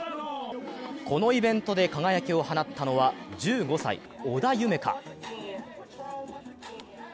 このイベントで輝きを放ったのは、１５歳・織田夢海。